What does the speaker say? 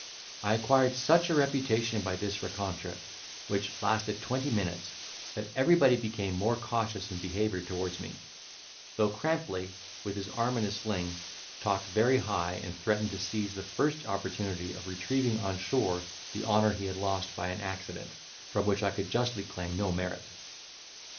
I acquired such reputation by this rencontre, which lasted twenty minutes, that everybody became more cautious in behaviour towards me; though Crampley, with his arm in a sling, talked very high, and threatened to seize the first opportunity of retrieving on shore the honour he had lost by an accident, from which I could justly claim no merit.